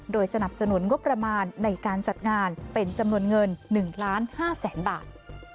โดยสนับสนุนงบประมาณในการจัดงานเป็นจำนวนเงิน๑ล้าน๕แสนบาท